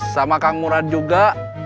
sama kang murad juga